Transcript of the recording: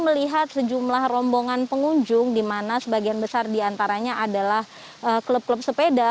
melihat sejumlah rombongan pengunjung di mana sebagian besar diantaranya adalah klub klub sepeda